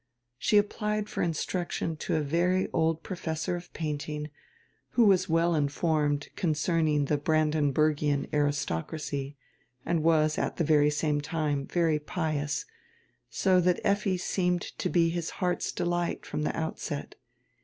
She applied for instruction to a very old professor of painting, who was well informed concerning the Brandenburgian aristocracy, and was, at the same time, very pious, so that Effi seemed to be his heart's delight from the outset.